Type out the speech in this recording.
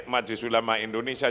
majlis ulama indonesia